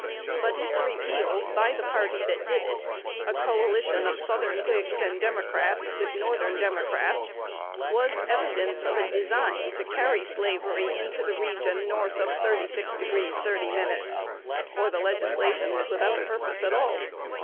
But its repeal by the party that did it a coalition of Southern Whigs and Democrats with Northern Democrats was evidence of a design to carry slavery into the region north of 36° 30'; or the legislation was without a purpose at all.